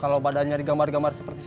kalau pada nyari gambar gambar seperti saya